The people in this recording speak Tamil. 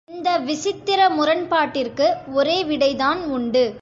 இந்த விசித்திர முரண்பாட்டிற்கு ஒரே விடை தான் உண்டு.